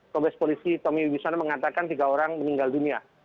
kompes polisi tommy wisana mengatakan tiga orang meninggal dunia